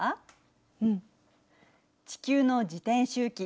地球の自転周期